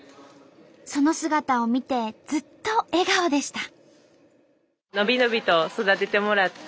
その姿を見てずっと笑顔でした。